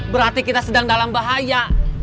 berarti kita sedang dalam bahaya